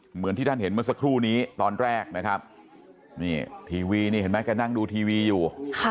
เหมือนที่ท่านเห็นเมื่อสักครู่นี้ตอนแรกนะครับนี่ทีวีนี่เห็นไหมแกนั่งดูทีวีอยู่